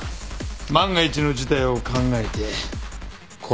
万が一の事態を考えてこの範囲。